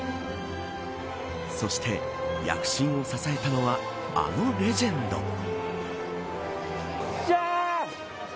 そして、躍進を支えたのはあのレジェンド。